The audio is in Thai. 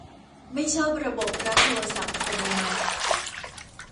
ไม่ชอบระบบรับโทรศัพท์อัตโนมัติ